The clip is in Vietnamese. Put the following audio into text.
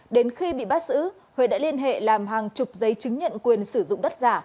đến khi bị bắt giữ huế đã liên hệ làm hàng chục giấy chứng nhận quyền sử dụng đất giả